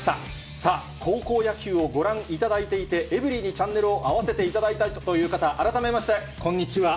さあ、高校野球をご覧いただいていて、エブリィにチャンネルを合わせていただいたという方、改めましてこんにちは。